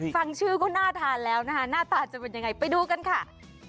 ฟังชื่อก็น่าทานแล้วนะคะหน้าตาจะเป็นยังไงไปดูกันค่ะ